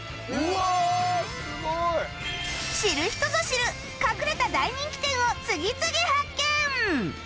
知る人ぞ知る隠れた大人気店を次々発見！